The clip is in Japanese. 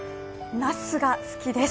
なすが好きです。